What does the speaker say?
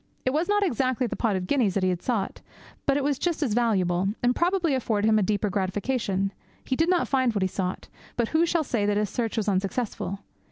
It was not exactly the pot of guineas that he sought; but it was just as valuable, and probably afforded him a deeper gratification. He did not find what he sought, but who shall say that his search was unsuccessful?